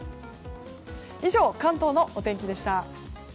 以上、関東のお天気でした。